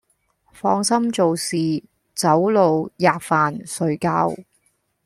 放心做事走路喫飯睡覺，